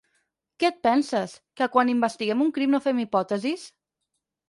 Què et penses, que quan investiguem un crim no fem hipòtesis?